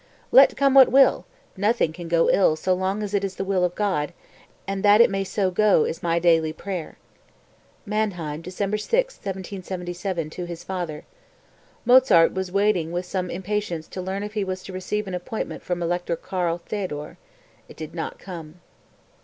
245. "Let come what will, nothing can go ill so long as it is the will of God; and that it may so go is my daily prayer." (Mannheim, December 6, 1777, to his father. Mozart was waiting with some impatience to learn if he was to receive an appointment from Elector Karl Theodore. It did not come.)